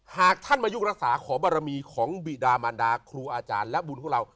หากท่านมายุกรักษาขอบรมีของบิดามันดาครูอาจารย์และบุญของเรา